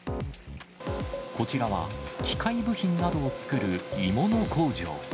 こちらは、機械部品などを作る鋳物工場。